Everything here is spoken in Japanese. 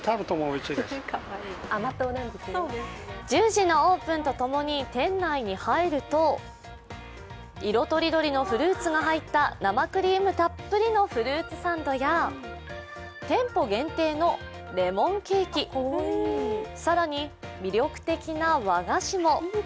１０時のオープンとともに店内に入ると、色とりどりのフルーツが入った生クリームたっぷりのフルーツサンドや店舗限定のレモンケーキ、更に魅力的な和菓子も。